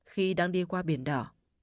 khi đang đi qua biển đỏ